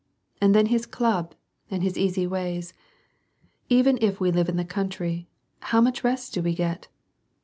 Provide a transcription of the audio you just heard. And then his club, and his easy ways. Even if we live in the country, how much rest do we get